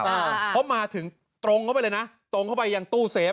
เพราะมาถึงตรงเข้าไปเลยนะตรงเข้าไปยังตู้เซฟ